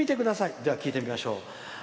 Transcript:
じゃあ、聞いてみましょう。